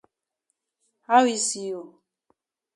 How e see you?